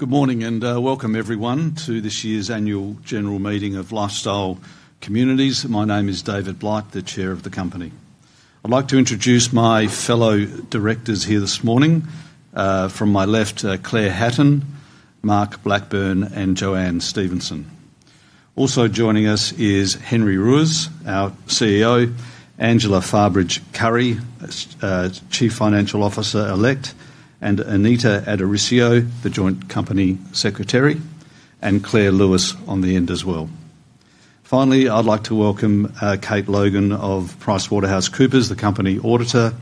Good morning and welcome, everyone, to this year's annual general meeting of Lifestyle Communities. My name is David Blight, the chair of the company. I'd like to introduce my fellow directors here this morning. From my left, Claire Hatton, Mark Blackburn, and Joanne Stevenson. Also joining us is Henry Ruiz, our CEO; Angela Fabridge Curry, Chief Financial Officer Elect; and Anita Addorisio, the Joint Company Secretary; and Claire Lewis on the end as well. Finally, I'd like to welcome Kate Logan of PricewaterhouseCoopers, the company auditor,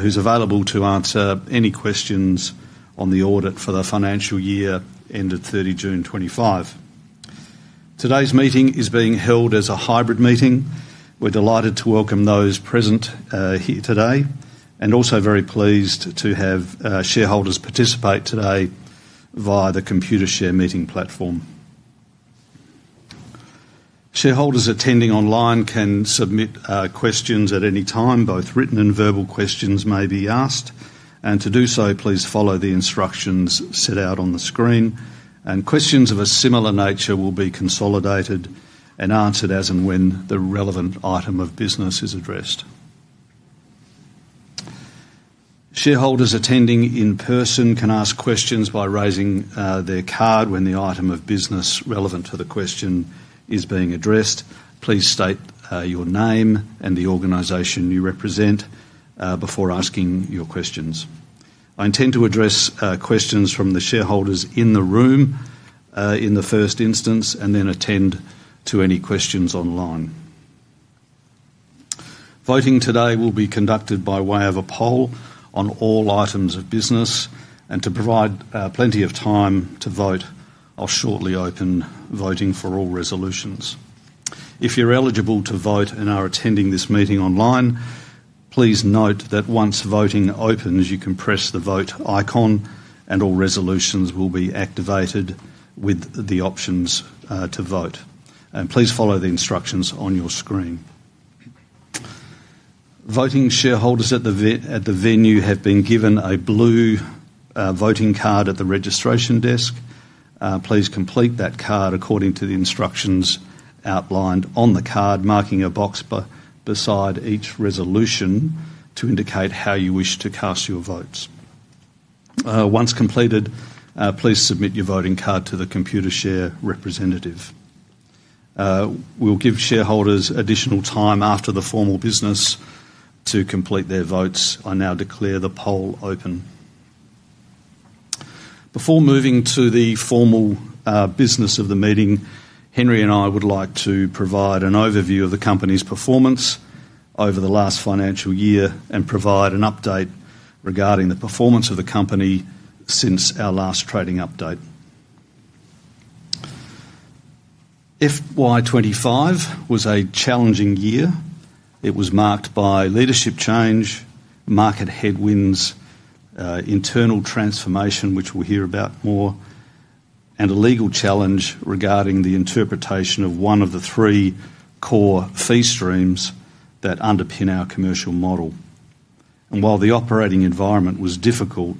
who's available to answer any questions on the audit for the financial year ended 30 June 2025. Today's meeting is being held as a hybrid meeting. We're delighted to welcome those present here today and also very pleased to have shareholders participate today via the Computershare meeting platform. Shareholders attending online can submit questions at any time. Both written and verbal questions may be asked. To do so, please follow the instructions set out on the screen. Questions of a similar nature will be consolidated and answered as and when the relevant item of business is addressed. Shareholders attending in person can ask questions by raising their card when the item of business relevant to the question is being addressed. Please state your name and the organization you represent before asking your questions. I intend to address questions from the shareholders in the room in the first instance and then attend to any questions online. Voting today will be conducted by way of a poll on all items of business. To provide plenty of time to vote, I'll shortly open voting for all resolutions. If you're eligible to vote and are attending this meeting online, please note that once voting opens, you can press the vote icon and all resolutions will be activated with the options to vote. Please follow the instructions on your screen. Voting shareholders at the venue have been given a blue voting card at the registration desk. Please complete that card according to the instructions outlined on the card, marking a box beside each resolution to indicate how you wish to cast your votes. Once completed, please submit your voting card to the Computershare representative. We'll give shareholders additional time after the formal business to complete their votes. I now declare the poll open. Before moving to the formal business of the meeting, Henry and I would like to provide an overview of the company's performance over the last financial year and provide an update regarding the performance of the company since our last trading update. FY25 was a challenging year. It was marked by leadership change, market headwinds, internal transformation, which we'll hear about more, and a legal challenge regarding the interpretation of one of the three core fee streams that underpin our commercial model. While the operating environment was difficult,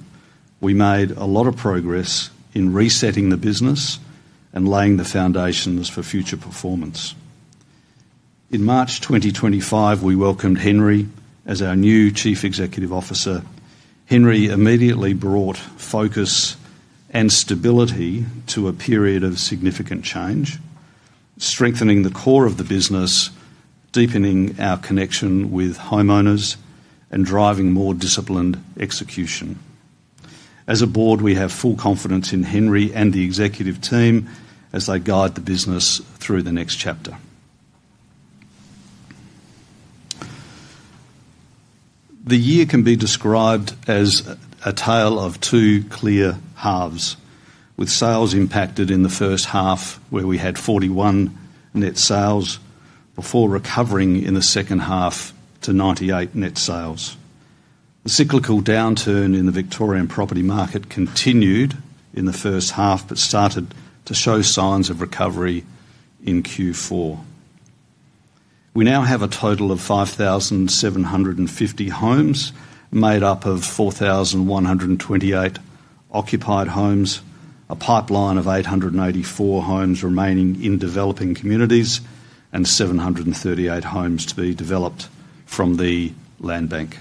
we made a lot of progress in resetting the business and laying the foundations for future performance. In March 2025, we welcomed Henry as our new Chief Executive Officer. Henry immediately brought focus and stability to a period of significant change, strengthening the core of the business, deepening our connection with homeowners, and driving more disciplined execution. As a board, we have full confidence in Henry and the executive team as they guide the business through the next chapter. The year can be described as a tale of two clear halves, with sales impacted in the first half, where we had 41 net sales before recovering in the second half to 98 net sales. The cyclical downturn in the Victorian property market continued in the first half but started to show signs of recovery in Q4. We now have a total of 5,750 homes made up of 4,128 occupied homes, a pipeline of 884 homes remaining in developing communities, and 738 homes to be developed from the land bank.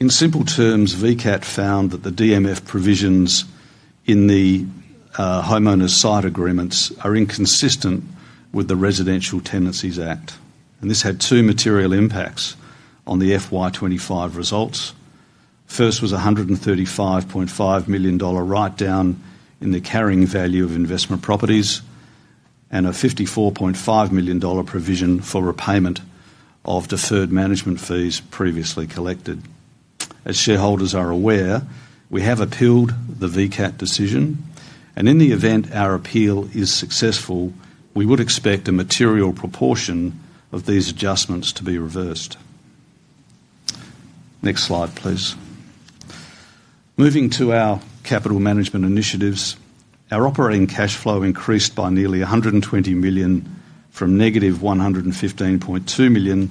In simple terms, VCAT found that the DMF provisions in the homeowners' site agreements are inconsistent with the Residential Tenancies Act. This had two material impacts on the FY25 results. First was an 135.5 million dollar write-down in the carrying value of investment properties and an 54.5 million dollar provision for repayment of deferred management fees previously collected. As shareholders are aware, we have appealed the VCAT decision. In the event our appeal is successful, we would expect a material proportion of these adjustments to be reversed. Next slide, please. Moving to our capital management initiatives, our operating cash flow increased by nearly 120 million from -115.2 million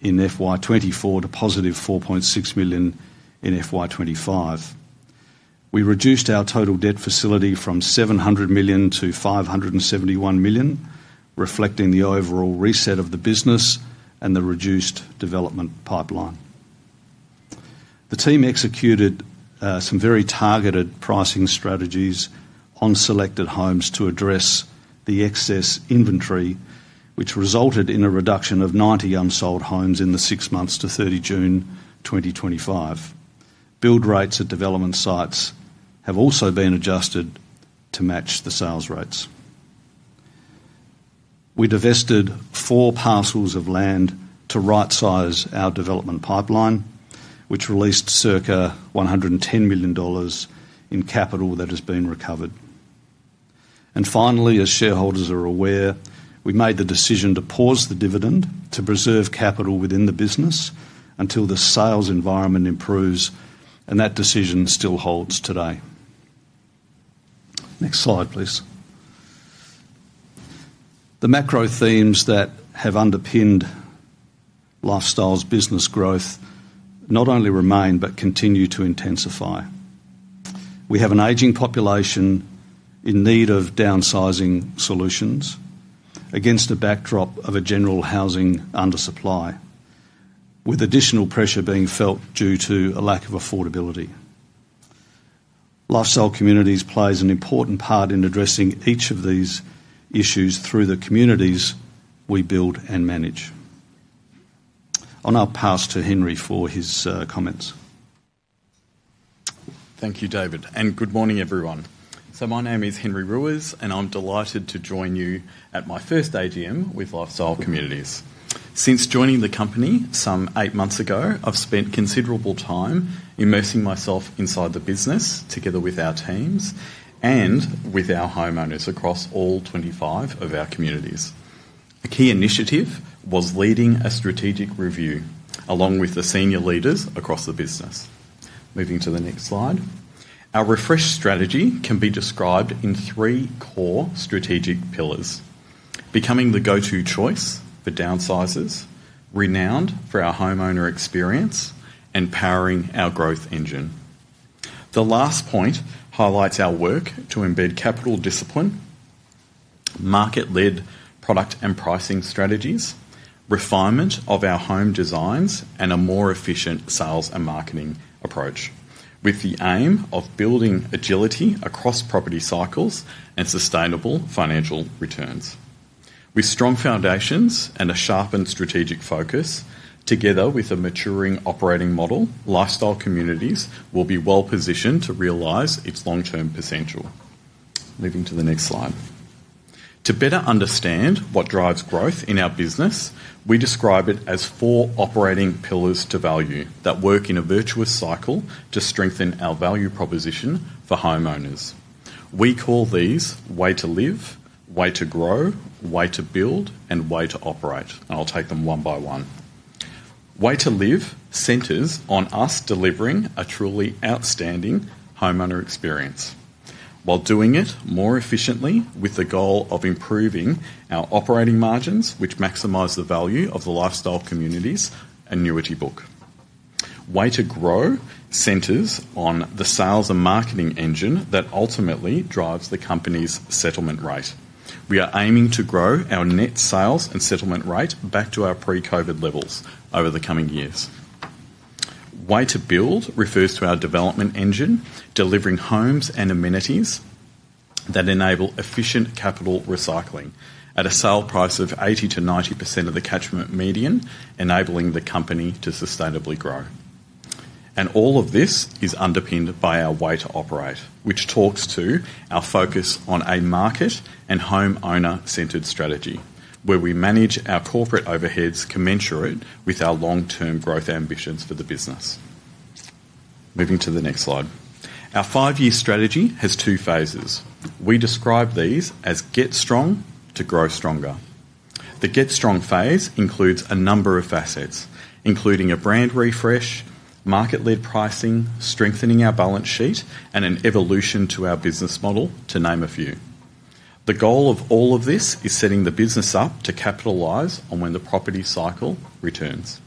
in FY2024 to +4.6 million in FY2025. We reduced our total debt facility from 700 million-571 million, reflecting the overall reset of the business and the reduced development pipeline. The team executed some very targeted pricing strategies on selected homes to address the excess inventory, which resulted in a reduction of 90 unsold homes in the six months to 30 June 2025. Build rates at development sites have also been adjusted to match the sales rates. We divested four parcels of land to right-size our development pipeline, which released circa 110 million dollars in capital that has been recovered. Finally, as shareholders are aware, we made the decision to pause the dividend to preserve capital within the business until the sales environment improves, and that decision still holds today. Next slide, please. The macro themes that have underpinned Lifestyle's business growth not only remain but continue to intensify. We have an aging population in need of downsizing solutions against a backdrop of a general housing undersupply, with additional pressure being felt due to a lack of affordability. Lifestyle Communities plays an important part in addressing each of these issues through the communities we build and manage. I'll now pass to Henry for his comments. Thank you, David. Good morning, everyone. My name is Henry Ruiz, and I'm delighted to join you at my first AGM with Lifestyle Communities. Since joining the company some eight months ago, I've spent considerable time immersing myself inside the business together with our teams and with our homeowners across all 25 of our communities. A key initiative was leading a strategic review along with the senior leaders across the business. Moving to the next slide. Our refreshed strategy can be described in three core strategic pillars: becoming the go-to choice for downsizers, renowned for our homeowner experience, and powering our growth engine. The last point highlights our work to embed capital discipline, market-led product and pricing strategies, refinement of our home designs, and a more efficient sales and marketing approach, with the aim of building agility across property cycles and sustainable financial returns. With strong foundations and a sharpened strategic focus, together with a maturing operating model, Lifestyle Communities will be well positioned to realize its long-term potential. Moving to the next slide. To better understand what drives growth in our business, we describe it as four operating pillars to value that work in a virtuous cycle to strengthen our value proposition for homeowners. We call these way to live, way to grow, way to build, and way to operate. I will take them one by one. Way to live centers on us delivering a truly outstanding homeowner experience while doing it more efficiently with the goal of improving our operating margins, which maximize the value of the Lifestyle Communities annuity book. Way to grow centers on the sales and marketing engine that ultimately drives the company's settlement rate. We are aiming to grow our net sales and settlement rate back to our pre-COVID levels over the coming years. Way to build refers to our development engine, delivering homes and amenities that enable efficient capital recycling at a sale price of 80-90% of the catchment median, enabling the company to sustainably grow. All of this is underpinned by our way to operate, which talks to our focus on a market and homeowner-centered strategy, where we manage our corporate overheads commensurate with our long-term growth ambitions for the business. Moving to the next slide. Our five-year strategy has two phases. We describe these as get strong to grow stronger. The get strong phase includes a number of facets, including a brand refresh, market-led pricing, strengthening our balance sheet, and an evolution to our business model, to name a few. The goal of all of this is setting the business up to capitalize on when the property cycle returns.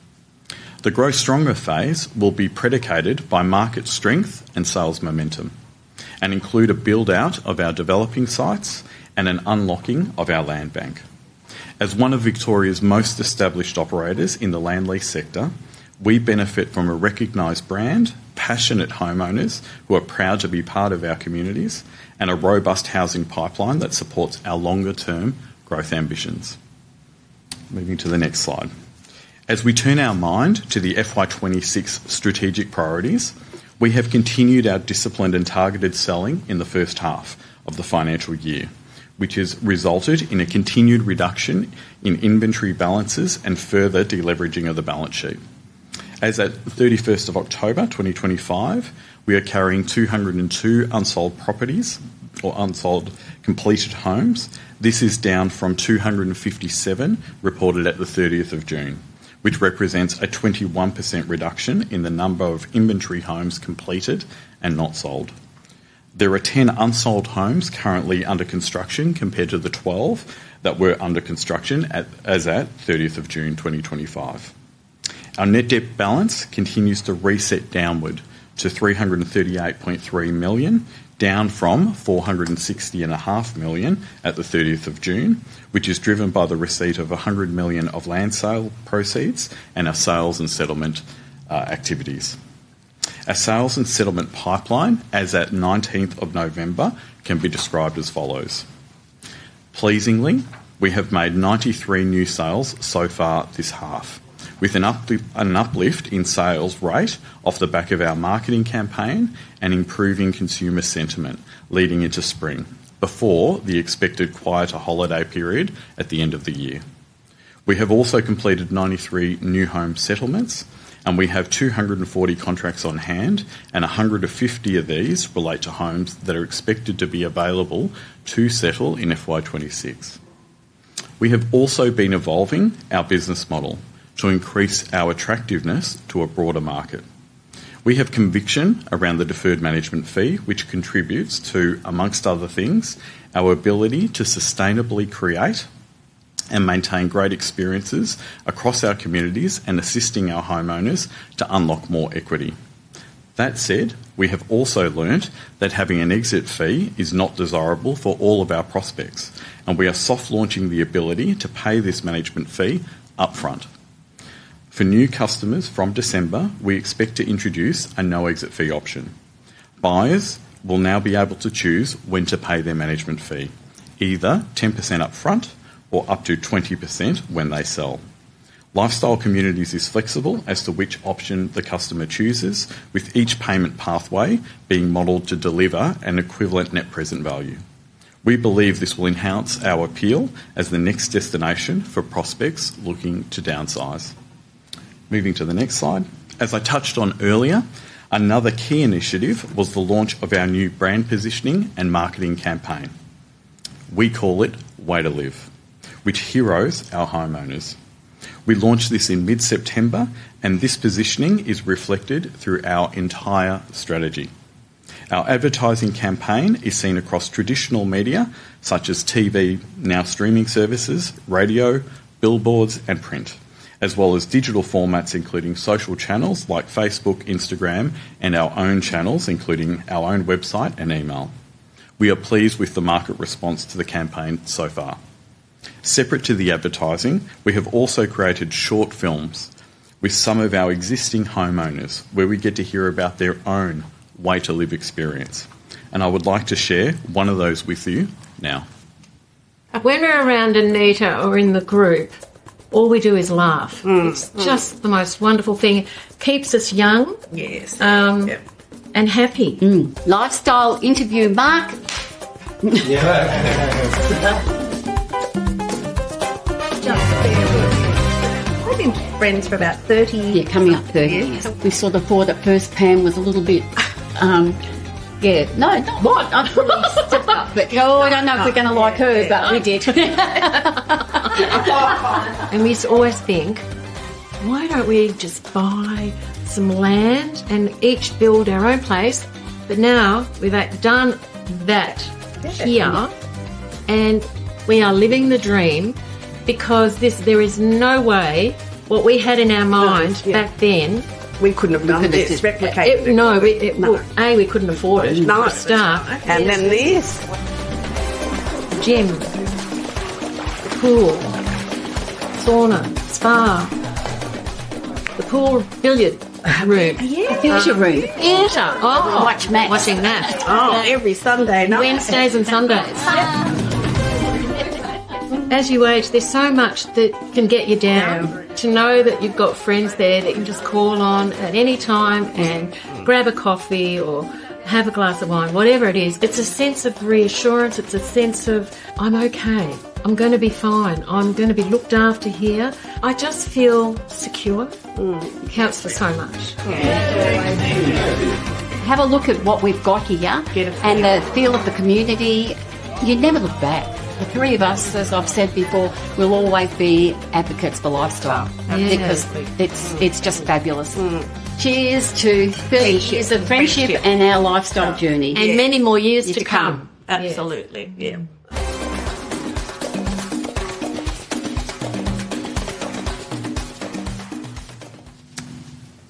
The grow stronger phase will be predicated by market strength and sales momentum and include a build-out of our developing sites and an unlocking of our land bank. As one of Victoria's most established operators in the land lease sector, we benefit from a recognized brand, passionate homeowners who are proud to be part of our communities, and a robust housing pipeline that supports our longer-term growth ambitions. Moving to the next slide. As we turn our mind to the FY2026 strategic priorities, we have continued our disciplined and targeted selling in the first half of the financial year, which has resulted in a continued reduction in inventory balances and further deleveraging of the balance sheet. As of 31st of October 2025, we are carrying 202 unsold properties or unsold completed homes. This is down from 257 reported at the 30th of June, which represents a 21% reduction in the number of inventory homes completed and not sold. There are 10 unsold homes currently under construction compared to the 12 that were under construction as at 30th of June 2025. Our net debt balance continues to reset downward to 338.3 million, down from 460.5 million at the 30th of June, which is driven by the receipt of 100 million of land sale proceeds and our sales and settlement activities. Our sales and settlement pipeline, as at 19th of November, can be described as follows. Pleasingly, we have made 93 new sales so far this half, with an uplift in sales rate off the back of our marketing campaign and improving consumer sentiment leading into spring before the expected quieter holiday period at the end of the year. We have also completed 93 new home settlements, and we have 240 contracts on hand, and 150 of these relate to homes that are expected to be available to settle in FY2026. We have also been evolving our business model to increase our attractiveness to a broader market. We have conviction around the deferred management fee, which contributes to, amongst other things, our ability to sustainably create and maintain great experiences across our communities and assisting our homeowners to unlock more equity. That said, we have also learned that having an exit fee is not desirable for all of our prospects, and we are soft launching the ability to pay this management fee upfront. For new customers from December, we expect to introduce a no-exit fee option. Buyers will now be able to choose when to pay their management fee, either 10% upfront or up to 20% when they sell. Lifestyle Communities is flexible as to which option the customer chooses, with each payment pathway being modeled to deliver an equivalent net present value. We believe this will enhance our appeal as the next destination for prospects looking to downsize. Moving to the next slide. As I touched on earlier, another key initiative was the launch of our new brand positioning and marketing campaign. We call it Way to Live, which heroes our homeowners. We launched this in mid-September, and this positioning is reflected through our entire strategy. Our advertising campaign is seen across traditional media such as TV, now streaming services, radio, billboards, and print, as well as digital formats including social channels like Facebook, Instagram, and our own channels, including our own website and email. We are pleased with the market response to the campaign so far. Separate to the advertising, we have also created short films with some of our existing homeowners where we get to hear about their own Way to Live experience. I would like to share one of those with you now. When we're around Anita or in the group, all we do is laugh. It's just the most wonderful thing. Keeps us young and happy. Lifestyle Interview Mark. We've been friends for about 30. Yeah, coming up 30. We saw the four that first pan was a little bit, yeah, no, not what. Oh, I don't know if we're going to like her, but we did. We always think, why don't we just buy some land and each build our own place? Now we've done that here, and we are living the dream because there is no way what we had in our mind back then. We couldn't have done this. No, A, we couldn't afford it. Stop. And then this. Gym, pool, sauna, spa, the pool billiard room. The theatre room. The theatre. Watch Max. Watching Max. Every Sunday. Wednesdays and Sundays. As you age, there's so much that can get you down to know that you've got friends there that you can just call on at any time and grab a coffee or have a glass of wine, whatever it is. It's a sense of reassurance. It's a sense of, I'm okay. I'm going to be fine. I'm going to be looked after here. I just feel secure. It counts for so much. Have a look at what we've got here and the feel of the community. You never look back. The three of us, as I've said before, will always be advocates for Lifestyle because it's just fabulous. Cheers to friendship and our Lifestyle journey. Many more years to come. Absolutely. Yeah.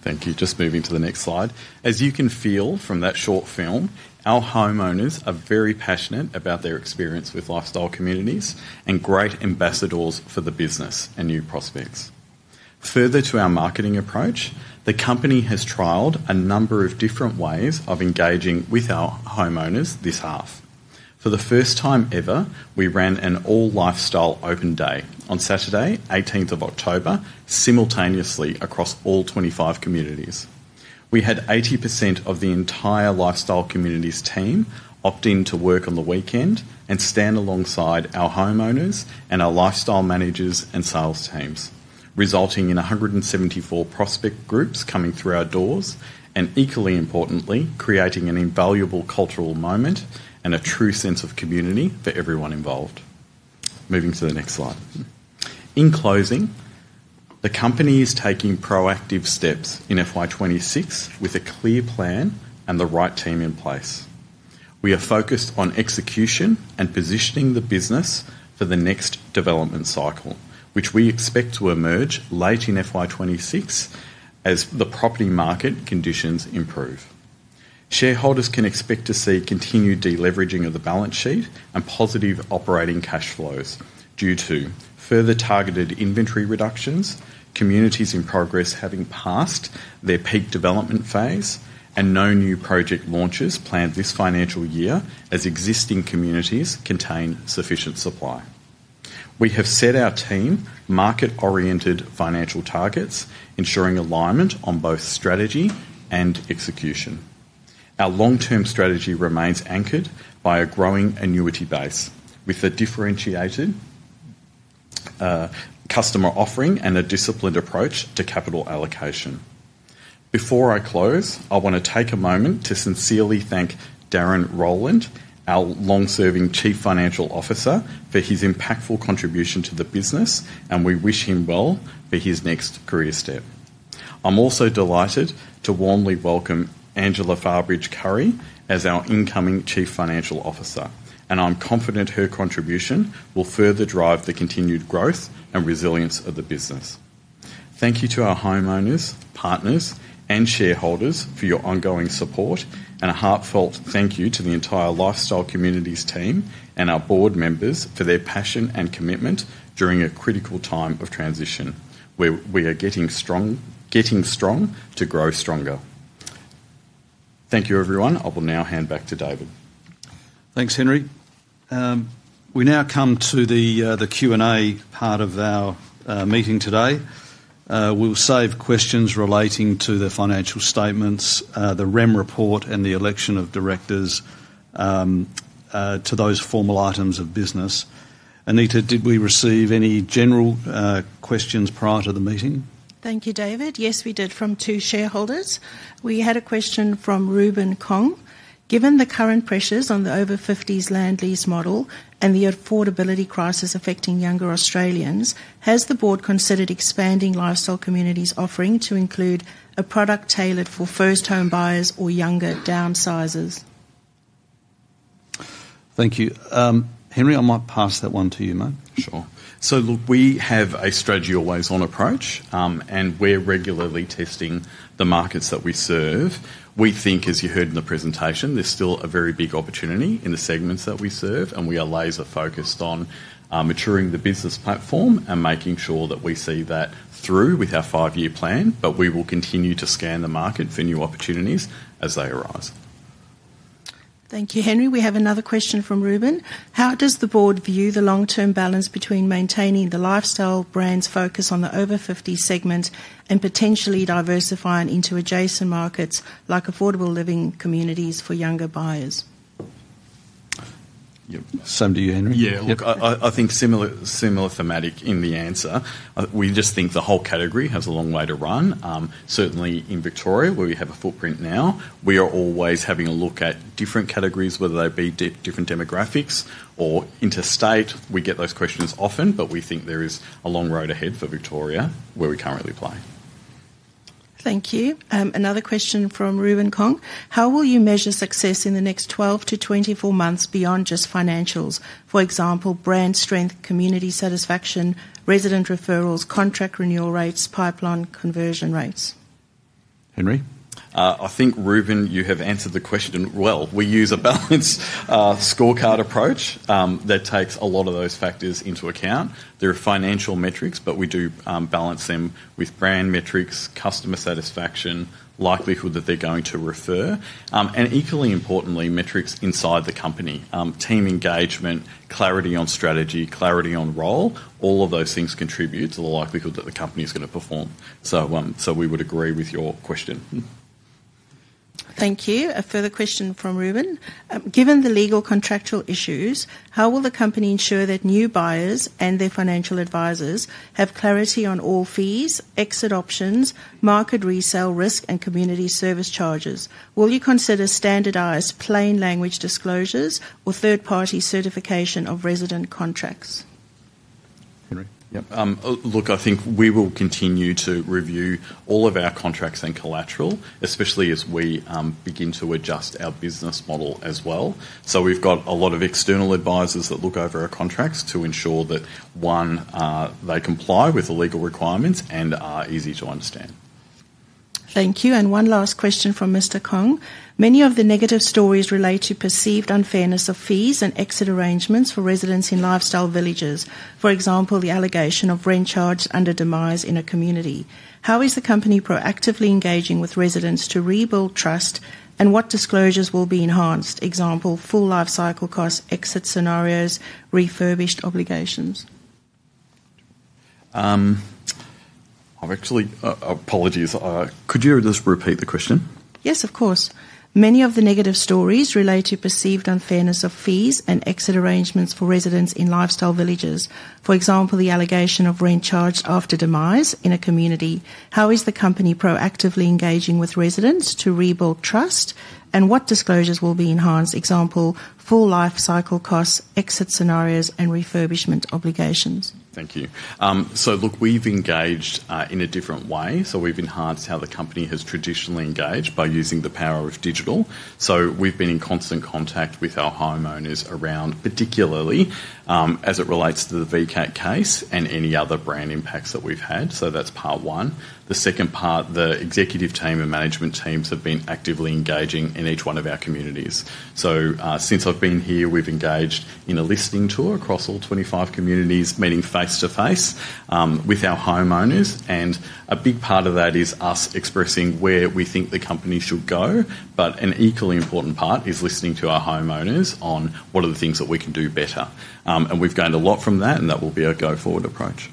Thank you. Just moving to the next slide. As you can feel from that short film, our homeowners are very passionate about their experience with Lifestyle Communities and great ambassadors for the business and new prospects. Further to our marketing approach, the company has trialed a number of different ways of engaging with our homeowners this half. For the first time ever, we ran an all Lifestyle open day on Saturday, 18th of October, simultaneously across all 25 communities. We had 80% of the entire Lifestyle Communities team opting to work on the weekend and stand alongside our homeowners and our Lifestyle Managers and sales teams, resulting in 174 prospect groups coming through our doors and, equally importantly, creating an invaluable cultural moment and a true sense of community for everyone involved. Moving to the next slide. In closing, the company is taking proactive steps in FY26 with a clear plan and the right team in place. We are focused on execution and positioning the business for the next development cycle, which we expect to emerge late in FY26 as the property market conditions improve. Shareholders can expect to see continued deleveraging of the balance sheet and positive operating cash flows due to further targeted inventory reductions, communities in progress having passed their peak development phase, and no new project launches planned this financial year as existing communities contain sufficient supply. We have set our team market-oriented financial targets, ensuring alignment on both strategy and execution. Our long-term strategy remains anchored by a growing annuity base with a differentiated customer offering and a disciplined approach to capital allocation. Before I close, I want to take a moment to sincerely thank Darren Rowland, our long-serving Chief Financial Officer, for his impactful contribution to the business, and we wish him well for his next career step. I'm also delighted to warmly welcome Angela Fabridge Curry as our incoming Chief Financial Officer, and I'm confident her contribution will further drive the continued growth and resilience of the business. Thank you to our homeowners, partners, and shareholders for your ongoing support, and a heartfelt thank you to the entire Lifestyle Communities team and our board members for their passion and commitment during a critical time of transition where we are getting strong to grow stronger. Thank you, everyone. I will now hand back to David. Thanks, Henry. We now come to the Q&A part of our meeting today. We'll save questions relating to the financial statements, the REM report, and the election of directors to those formal items of business. Anita, did we receive any general questions prior to the meeting? Thank you, David. Yes, we did from two shareholders. We had a question from Reuben Kong. Given the current pressures on the over-50s land lease model and the affordability crisis affecting younger Australians, has the board considered expanding Lifestyle Communities' offering to include a product tailored for first home buyers or younger downsizers? Thank you. Henry, I might pass that one to you, mate. Sure. Look, we have a strategy always on approach, and we're regularly testing the markets that we serve. We think, as you heard in the presentation, there's still a very big opportunity in the segments that we serve, and we are laser-focused on maturing the business platform and making sure that we see that through with our five-year plan, but we will continue to scan the market for new opportunities as they arise. Thank you, Henry. We have another question from Reuben. How does the board view the long-term balance between maintaining the Lifestyle brand's focus on the over-50s segment and potentially diversifying into adjacent markets like affordable living communities for younger buyers? Yep. Same to you, Henry. Yeah. Look, I think similar thematic in the answer. We just think the whole category has a long way to run. Certainly in Victoria, where we have a footprint now, we are always having a look at different categories, whether they be different demographics or interstate. We get those questions often, but we think there is a long road ahead for Victoria where we currently play. Thank you. Another question from Reuben Kong. How will you measure success in the next 12 to 24 months beyond just financials? For example, brand strength, community satisfaction, resident referrals, contract renewal rates, pipeline conversion rates? Henry? I think, Reuben, you have answered the question well. We use a balanced scorecard approach that takes a lot of those factors into account. There are financial metrics, but we do balance them with brand metrics, customer satisfaction, likelihood that they're going to refer, and equally importantly, metrics inside the company. Team engagement, clarity on strategy, clarity on role, all of those things contribute to the likelihood that the company is going to perform. We would agree with your question. Thank you. A further question from Reuben. Given the legal contractual issues, how will the company ensure that new buyers and their financial advisors have clarity on all fees, exit options, market resale risk, and community service charges? Will you consider standardised plain language disclosures or third-party certification of resident contracts? Henry? Yep. Look, I think we will continue to review all of our contracts and collateral, especially as we begin to adjust our business model as well. We have a lot of external advisors that look over our contracts to ensure that, one, they comply with the legal requirements and are easy to understand. Thank you. One last question from Mr. Kong. Many of the negative stories relate to perceived unfairness of fees and exit arrangements for residents in Lifestyle Villages, for example, the allegation of rent charge under demise in a community. How is the company proactively engaging with residents to rebuild trust, and what disclosures will be enhanced? Example, full life cycle costs, exit scenarios, refurbished obligations. I've actually—apologies. Could you just repeat the question? Yes, of course. Many of the negative stories relate to perceived unfairness of fees and exit arrangements for residents in Lifestyle Villages, for example, the allegation of rent charge after demise in a community. How is the company proactively engaging with residents to rebuild trust, and what disclosures will be enhanced? Example, full life cycle costs, exit scenarios, and refurbishment obligations. Thank you. Look, we've engaged in a different way. We've enhanced how the company has traditionally engaged by using the power of digital. We've been in constant contact with our homeowners, particularly as it relates to the VCAT case and any other brand impacts that we've had. That's part one. The second part, the executive team and management teams have been actively engaging in each one of our communities. Since I've been here, we've engaged in a listening tour across all 25 communities, meeting face-to-face with our homeowners. A big part of that is us expressing where we think the company should go. An equally important part is listening to our homeowners on what are the things that we can do better. We've gained a lot from that, and that will be a go-forward approach.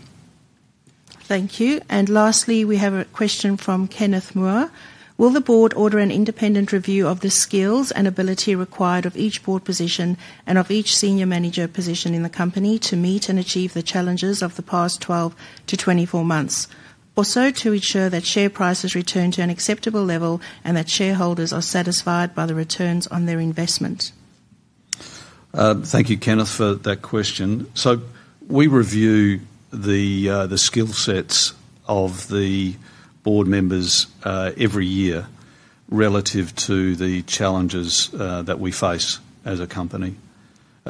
Thank you. Lastly, we have a question from Kenneth Moore. Will the board order an independent review of the skills and ability required of each board position and of each senior manager position in the company to meet and achieve the challenges of the past 12 to 24 months, also to ensure that share prices return to an acceptable level and that shareholders are satisfied by the returns on their investment? Thank you, Kenneth, for that question. We review the skill sets of the board members every year relative to the challenges that we face as a company.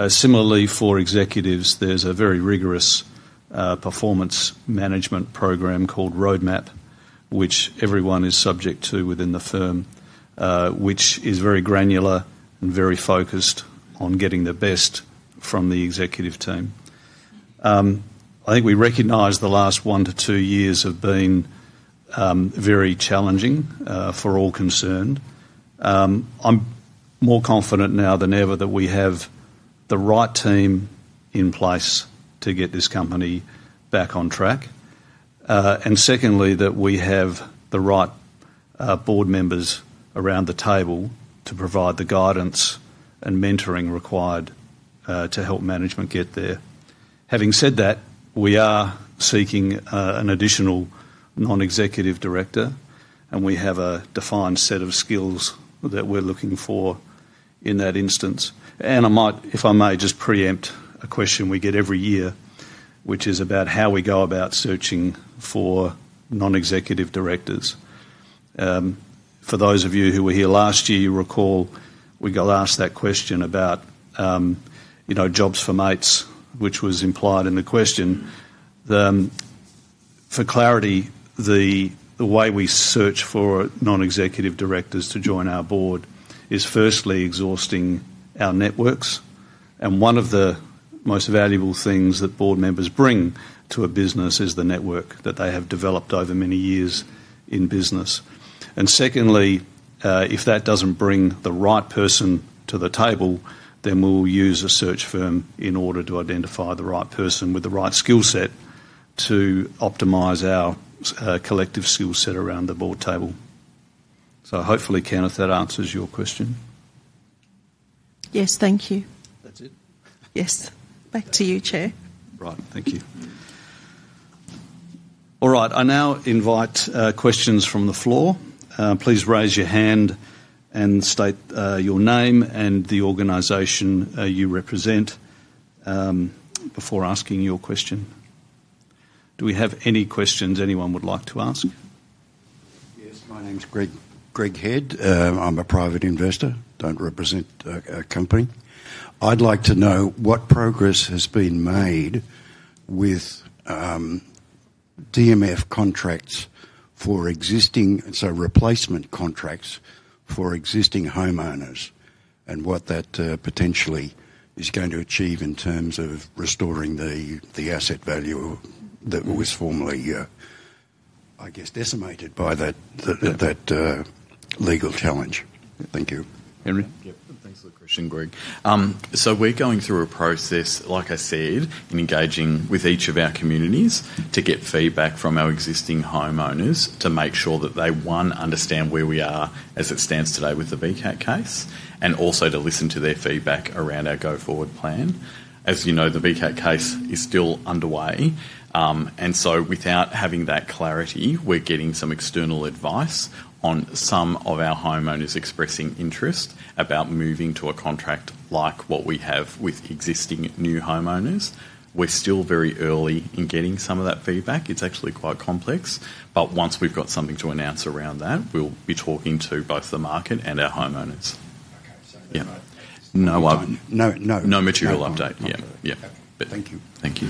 Similarly, for executives, there is a very rigorous performance management program called Roadmap, which everyone is subject to within the firm, which is very granular and very focused on getting the best from the executive team. I think we recognize the last one to two years have been very challenging for all concerned. I am more confident now than ever that we have the right team in place to get this company back on track. Secondly, we have the right board members around the table to provide the guidance and mentoring required to help management get there. Having said that, we are seeking an additional non-executive director, and we have a defined set of skills that we are looking for in that instance. If I may, just preempt a question we get every year, which is about how we go about searching for non-executive directors. For those of you who were here last year, you recall we got asked that question about jobs for mates, which was implied in the question. For clarity, the way we search for non-executive directors to join our board is firstly exhausting our networks. One of the most valuable things that board members bring to a business is the network that they have developed over many years in business. Secondly, if that does not bring the right person to the table, then we will use a search firm in order to identify the right person with the right skill set to optimize our collective skill set around the board table. Hopefully, Kenneth, that answers your question. Yes, thank you. That's it? Yes. Back to you, Chair. Right. Thank you. All right. I now invite questions from the floor. Please raise your hand and state your name and the organization you represent before asking your question. Do we have any questions anyone would like to ask? Yes. My name's Greg Head. I'm a private investor. Don't represent a company. I'd like to know what progress has been made with DMF contracts for existing—sorry, replacement contracts for existing homeowners and what that potentially is going to achieve in terms of restoring the asset value that was formerly, I guess, decimated by that legal challenge. Thank you. Henry? Thanks for the question, Greg. We are going through a process, like I said, in engaging with each of our communities to get feedback from our existing homeowners to make sure that they, one, understand where we are as it stands today with the VCAT case, and also to listen to their feedback around our go-forward plan. As you know, the VCAT case is still underway. Without having that clarity, we are getting some external advice on some of our homeowners expressing interest about moving to a contract like what we have with existing new homeowners. We are still very early in getting some of that feedback. It is actually quite complex. Once we have got something to announce around that, we will be talking to both the market and our homeowners. Okay. So no update? No, I've—no material update. Yeah. Yeah. Thank you. Thank you.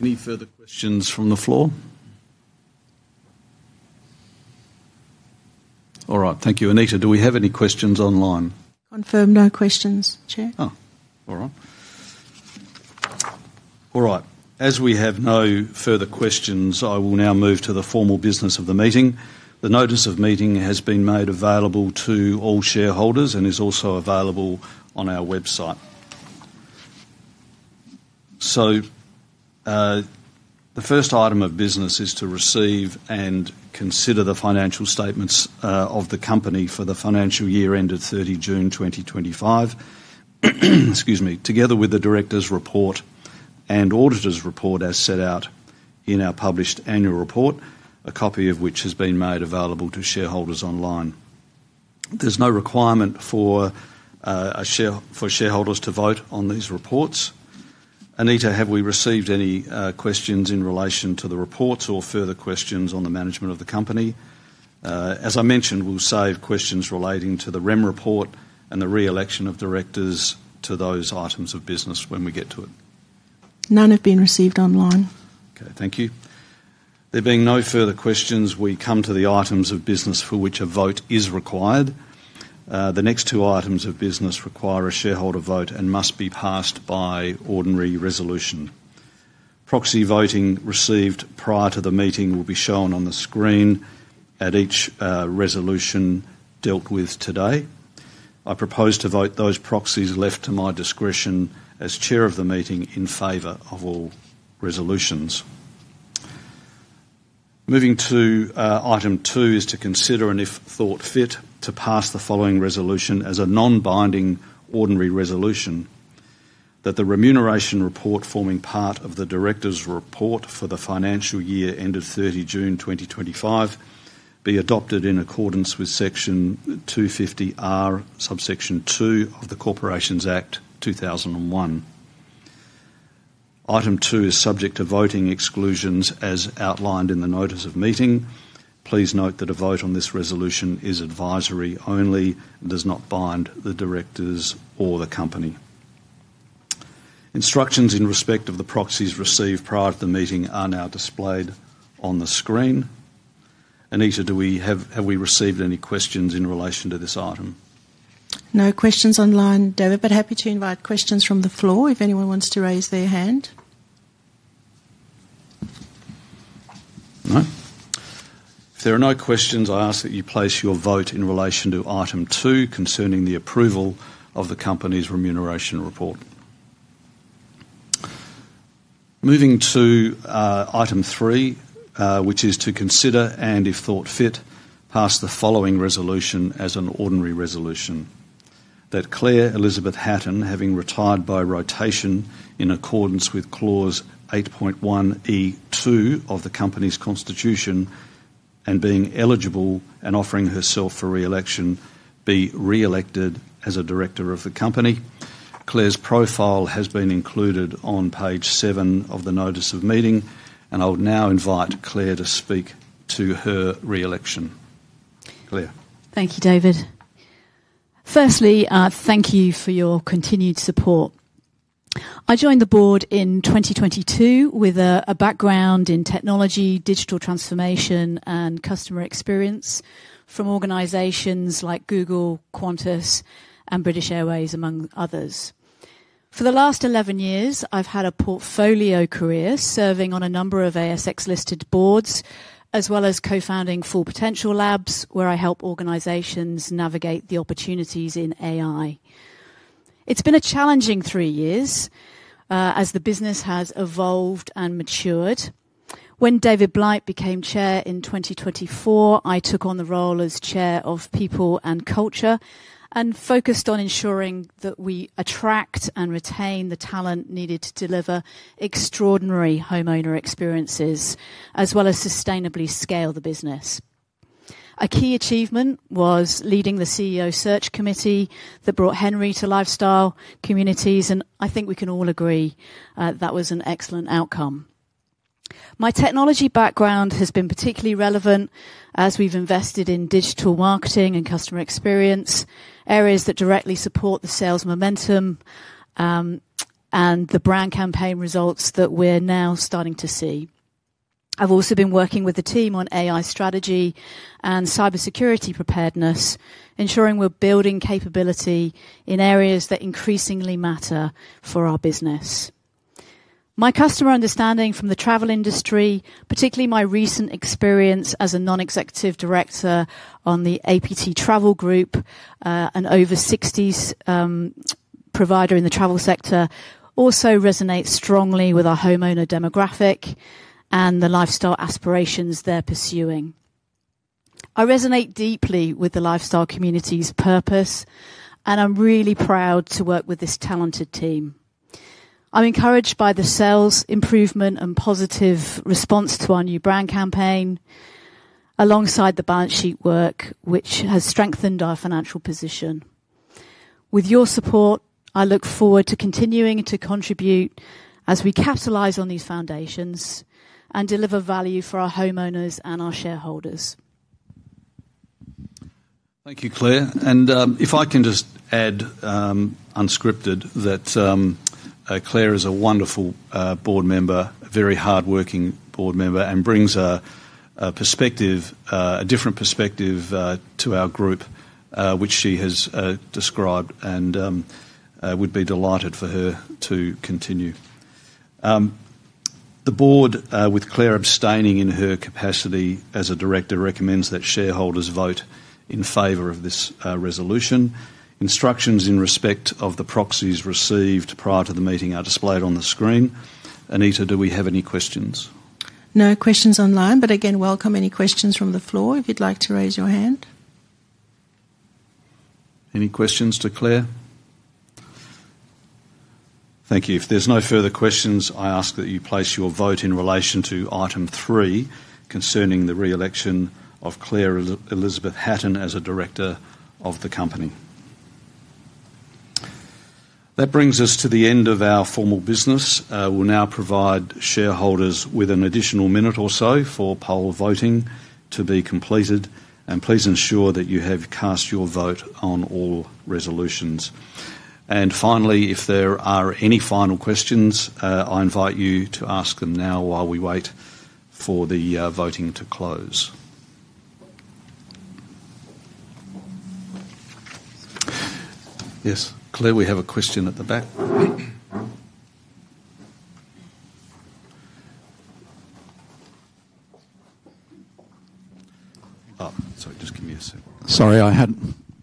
Any further questions from the floor? All right. Thank you. Anita, do we have any questions online? Confirmed no questions, Chair. All right. As we have no further questions, I will now move to the formal business of the meeting. The notice of meeting has been made available to all shareholders and is also available on our website. The first item of business is to receive and consider the financial statements of the company for the financial year ended 30 June 2025, excuse me, together with the director's report and auditor's report as set out in our published annual report, a copy of which has been made available to shareholders online. There is no requirement for shareholders to vote on these reports. Anita, have we received any questions in relation to the reports or further questions on the management of the company? As I mentioned, we'll save questions relating to the REM report and the re-election of directors to those items of business when we get to it. None have been received online. Okay. Thank you. There being no further questions, we come to the items of business for which a vote is required. The next two items of business require a shareholder vote and must be passed by ordinary resolution. Proxy voting received prior to the meeting will be shown on the screen at each resolution dealt with today. I propose to vote those proxies left to my discretion as Chair of the meeting in favor of all resolutions. Moving to item two is to consider and if thought fit to pass the following resolution as a non-binding ordinary resolution: that the remuneration report forming part of the director's report for the financial year ended 30 June 2025 be adopted in accordance with Section 250R, Subsection 2 of the Corporations Act 2001. Item two is subject to voting exclusions as outlined in the notice of meeting. Please note that a vote on this resolution is advisory only and does not bind the directors or the company. Instructions in respect of the proxies received prior to the meeting are now displayed on the screen. Anita, have we received any questions in relation to this item? No questions online, David, but happy to invite questions from the floor if anyone wants to raise their hand. No. If there are no questions, I ask that you place your vote in relation to item two concerning the approval of the company's remuneration report. Moving to item three, which is to consider and, if thought fit, pass the following resolution as an ordinary resolution: that Claire Elizabeth Hatton, having retired by rotation in accordance with clause 8.1(e)(2) of the company's constitution and being eligible and offering herself for re-election, be re-elected as a director of the company. Claire's profile has been included on page seven of the notice of meeting, and I'll now invite Claire to speak to her re-election. Claire. Thank you, David. Firstly, thank you for your continued support. I joined the board in 2022 with a background in technology, digital transformation, and customer experience from organizations like Google, Qantas, and British Airways, among others. For the last 11 years, I've had a portfolio career serving on a number of ASX-listed boards as well as co-founding Full Potential Labs, where I help organizations navigate the opportunities in AI. It's been a challenging three years as the business has evolved and matured. When David Blight became Chair in 2024, I took on the role as Chair of People and Culture and focused on ensuring that we attract and retain the talent needed to deliver extraordinary homeowner experiences as well as sustainably scale the business. A key achievement was leading the CEO Search Committee that brought Henry to Lifestyle Communities, and I think we can all agree that was an excellent outcome. My technology background has been particularly relevant as we've invested in digital marketing and customer experience, areas that directly support the sales momentum and the brand campaign results that we're now starting to see. I've also been working with the team on AI strategy and cybersecurity preparedness, ensuring we're building capability in areas that increasingly matter for our business. My customer understanding from the travel industry, particularly my recent experience as a non-executive director on the APT Travel Group, an over-60s provider in the travel sector, also resonates strongly with our homeowner demographic and the lifestyle aspirations they're pursuing. I resonate deeply with the Lifestyle Communities' purpose, and I'm really proud to work with this talented team. I'm encouraged by the sales improvement and positive response to our new brand campaign alongside the balance sheet work, which has strengthened our financial position. With your support, I look forward to continuing to contribute as we capitalise on these foundations and deliver value for our homeowners and our shareholders. Thank you, Claire. If I can just add unscripted that Claire is a wonderful board member, a very hardworking board member, and brings a perspective, a different perspective to our group, which she has described, and I would be delighted for her to continue. The board, with Claire abstaining in her capacity as a director, recommends that shareholders vote in favor of this resolution. Instructions in respect of the proxies received prior to the meeting are displayed on the screen. Anita, do we have any questions? No questions online, but again, welcome any questions from the floor if you'd like to raise your hand. Any questions to Claire? Thank you. If there's no further questions, I ask that you place your vote in relation to item three concerning the re-election of Claire Elizabeth Hatton as a director of the company. That brings us to the end of our formal business. We'll now provide shareholders with an additional minute or so for poll voting to be completed. Please ensure that you have cast your vote on all resolutions. Finally, if there are any final questions, I invite you to ask them now while we wait for the voting to close. Yes, Claire, we have a question at the back. Oh, sorry, just give me a sec. Sorry, I had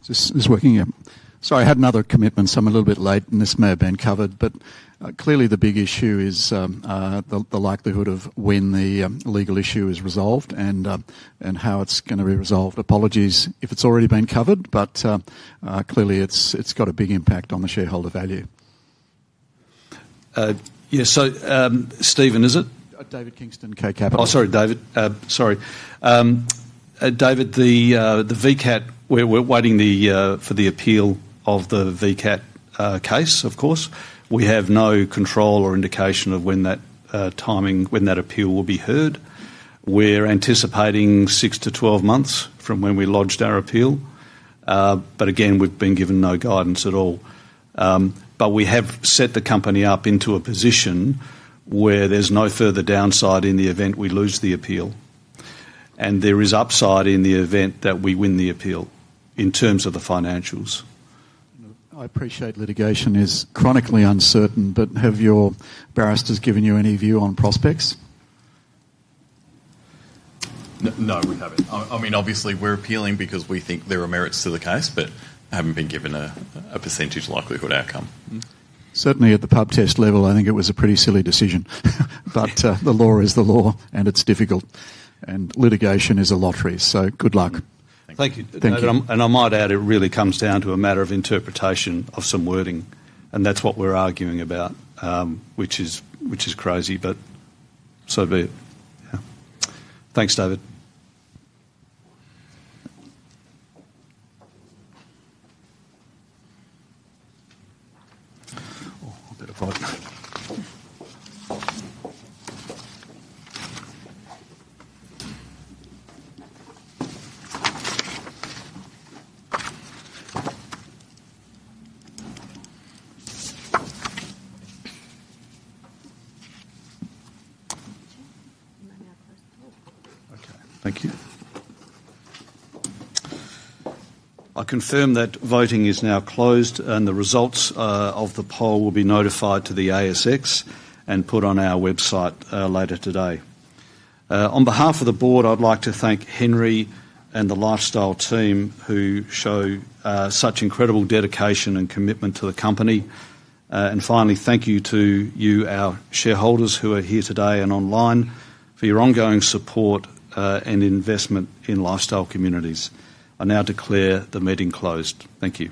this is working here. Sorry, I had another commitment, so I'm a little bit late, and this may have been covered, but clearly the big issue is the likelihood of when the legal issue is resolved and how it's going to be resolved. Apologies if it's already been covered, but clearly it's got a big impact on the shareholder value. Yeah, so Stephen, is it? David Kingston, Kelly. Oh, sorry, David. Sorry. David, the VCAT, we're waiting for the appeal of the VCAT case, of course. We have no control or indication of when that timing, when that appeal will be heard. We're anticipating 6-12 months from when we lodged our appeal. Again, we've been given no guidance at all. We have set the company up into a position where there's no further downside in the event we lose the appeal. There is upside in the event that we win the appeal in terms of the financials. I appreciate litigation is chronically uncertain, but have your barristers given you any view on prospects? No, we haven't. I mean, obviously, we're appealing because we think there are merits to the case, but haven't been given a % likelihood outcome. Certainly, at the pub test level, I think it was a pretty silly decision. The law is the law, and it's difficult. Litigation is a lottery, so good luck. Thank you. Thank you. I might add, it really comes down to a matter of interpretation of some wording, and that's what we're arguing about, which is crazy, but so be it. Yeah. Thanks, David. Oh, a bit of vote. Okay. Thank you. I confirm that voting is now closed, and the results of the poll will be notified to the ASX and put on our website later today. On behalf of the board, I'd like to thank Henry and the Lifestyle team who show such incredible dedication and commitment to the company. Finally, thank you to you, our shareholders who are here today and online, for your ongoing support and investment in Lifestyle Communities. I now declare the meeting closed. Thank you.